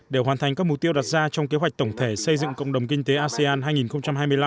để hoàn thành các mục tiêu đặt ra trong kế hoạch tổng thể xây dựng cộng đồng kinh tế asean hai nghìn hai mươi năm